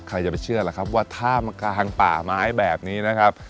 ใครจะเชื่อล่ะว่าถ้ห้างป่าไม้แบบนี้นะครับ